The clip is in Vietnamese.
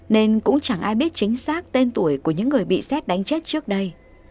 nên cũng chẳng ai biết chính xác tên tuổi của những người bị xét đánh chết trước đây